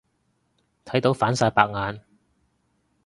睇到反晒白眼。